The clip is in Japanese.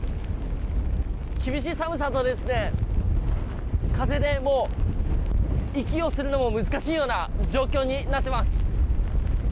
厳しい寒さと風でもう息をするのも難しいような状況になっています。